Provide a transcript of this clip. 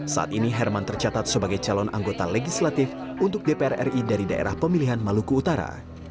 saat ini herman tercatat sebagai calon anggota legislatif untuk dpr ri dari daerah pemilihan maluku utara